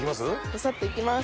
ドサっといきます。